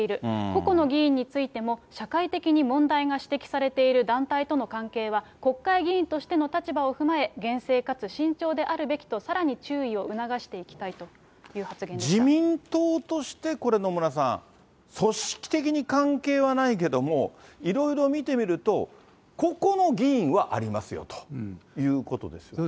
個々の議員についても、社会的に問題が指摘されている団体との関係は、国会議員としての立場を踏まえ、厳正かつ慎重であるべきと、さらに注意を促していきたいという発自民党として、これ野村さん、組織的に関係はないけども、いろいろ見てみると、個々の議員はありますよということですかね。